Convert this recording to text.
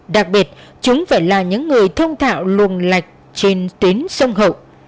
đặc biệt chúng phải là những người thông thạo luồng lạch trên tuyến sông hậu